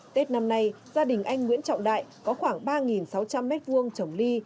tết năm nay gia đình anh nguyễn trọng đại có khoảng ba sáu trăm linh mét vuông trồng ly